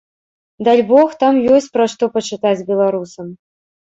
Дальбог, там ёсць пра што пачытаць беларусам.